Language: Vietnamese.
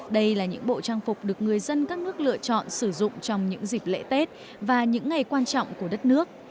đây là những bộ trang phục được người dân các nước lựa chọn sử dụng trong những dịp lễ tết và những ngày quan trọng của đất nước